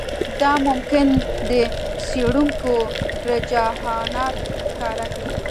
دا ممکن د څېړونکو رجحانات ښکاره کړي